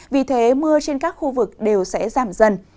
vì thế mưa trên các khu vực đều sẽ giảm dần